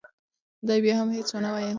دې بیا هم هیڅ ونه ویل.